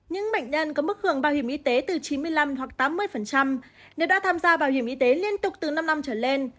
những bệnh nhân có mức hưởng bảo hiểm y tế từ chín mươi năm hoặc tám mươi nếu đã tham gia bảo hiểm y tế liên tục từ năm năm trở lên